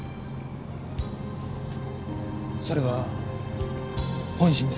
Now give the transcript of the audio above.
それは本心ですか？